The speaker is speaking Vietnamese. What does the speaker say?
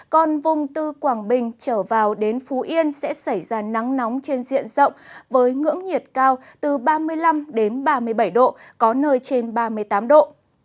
còn vùng từ quảng bình trở vào đến phú yên sẽ xảy ra nắng nóng trên diện rộng với ngưỡng nhiệt cao từ ba mươi năm đến ba mươi bảy độ có nơi trên ba mươi tám độ